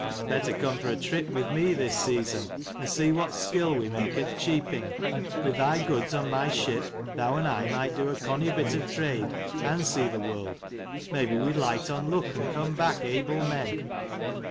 " Better come for a trip with me this season, and see what skill we make at cheaping. With thy goods on my ship, thou and I might do a conny bit of trade, and see the world : maybe we'd light on luck, and come back able men."